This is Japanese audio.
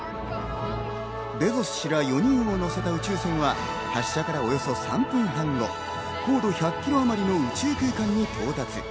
ベゾス氏が４人を乗せた宇宙船は発射からおよそ３分半後、高度１００キロあまりの宇宙空間に到着。